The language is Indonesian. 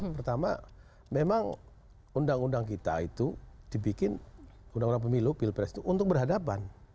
pertama memang undang undang kita itu dibikin undang undang pemilu pilpres itu untuk berhadapan